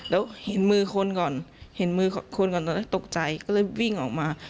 แล้วเห็นมือคนก่อนตกใจก็เลยวิ่งออกมา